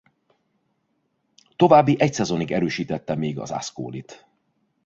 További egy szezonig erősítette még az Ascolit.